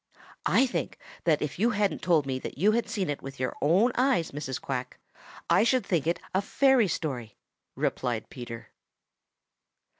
"I think that if you hadn't told me that you had seen it with your own eyes, Mrs. Quack, I should think it a fairy story," replied Peter.